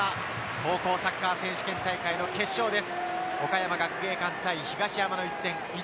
高校サッカー選手権大会の決勝です。